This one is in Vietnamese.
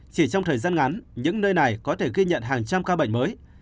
chỉ trong thời gian ngắn những nơi này có thể ghi nhận hàng trăm ca bệnh mới